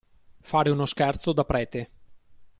Fare uno scherzo da prete.